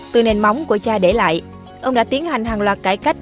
từ nền móng của cha để lại ông đã tiến hành hàng loạt cải cách